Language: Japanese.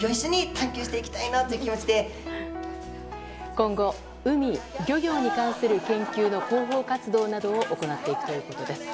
今後、海・漁業に関する研究の広報活動などを行っていくということです。